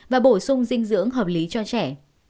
và bổ sung dinh dưỡng hợp lý cho trẻ